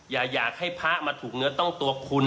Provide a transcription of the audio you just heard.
อย่าอยากให้พระมาถูกเนื้อต้องตัวคุณ